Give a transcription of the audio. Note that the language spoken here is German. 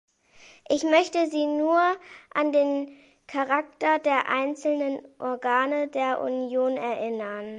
Ich möchte Sie nur an den Charakter der einzelnen Organe der Union erinnern.